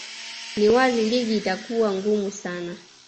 ni wazi ligi itakuwa ngumu sana